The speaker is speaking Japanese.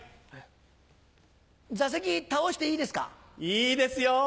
いいですよ